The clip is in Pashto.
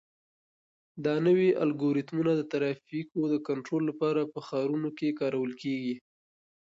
دا نوي الګوریتمونه د ترافیکو د کنټرول لپاره په ښارونو کې کارول کیږي.